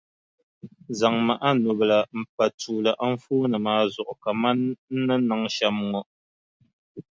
Zaŋmi a nubila m-pa tuuli anfooni maa zuɣu kamani n ni niŋ shɛm ŋɔ.